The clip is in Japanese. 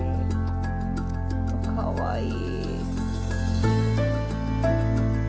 かわいい。